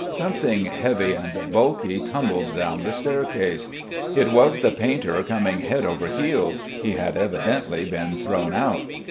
Something heavy and bulky tumbled down the staircase. It was the painter coming head over heels. He had evidently been thrown out.